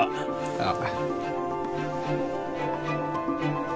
ああ。